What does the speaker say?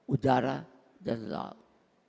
udara dan lalu